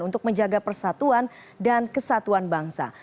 untuk menjaga persatuan dan kesatuan bangsa